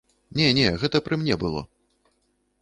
Не-не, гэта пры мне было.